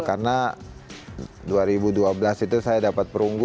karena dua ribu dua belas itu saya dapat perunggu